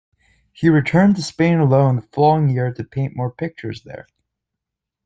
He returned to Spain alone the following year to paint more pictures there.